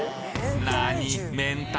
何？